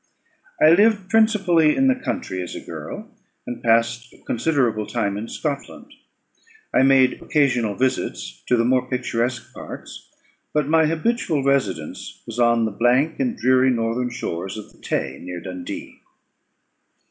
I lived principally in the country as a girl, and passed a considerable time in Scotland. I made occasional visits to the more picturesque parts; but my habitual residence was on the blank and dreary northern shores of the Tay, near Dundee.